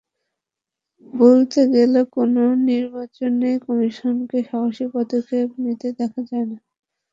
বলতে গেলে কোনো নির্বাচনেই কমিশনকে সাহসী পদক্ষেপ নিতে দেখা যায় না।